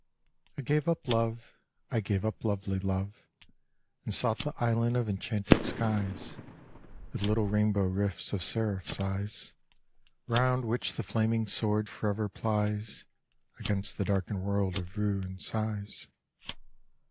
I gave up Love, I gave up lovely Love, And sought the island of enchanted skies, With little rainbow rifts of seraphs' eyes, Round which the flaming sword forever plies Against the darkened world of rue and sighs.